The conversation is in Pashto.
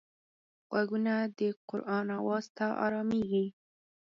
غوږونه د قرآن آواز ته ارامېږي